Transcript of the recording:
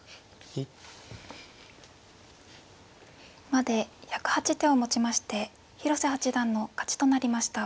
１２３４５６７。まで１０８手をもちまして広瀬八段の勝ちとなりました。